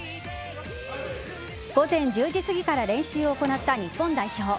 午前１０時すぎから練習を行った日本代表。